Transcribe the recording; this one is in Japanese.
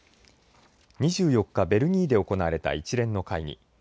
２４日、ベルリンで行われた一連の会議。